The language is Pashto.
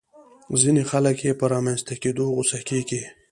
ځينې خلک يې په رامنځته کېدو غوسه کېږي.